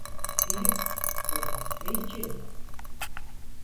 "Beyim…" dedi, "beyciğim…"